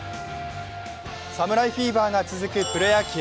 侍フィーバーが続くプロ野球。